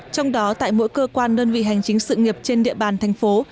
trong đó tại mỗi cơ quan đơn vị hành chính sự nghiệp trên địa bàn thành phố